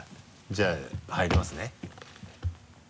じゃあ入りますね。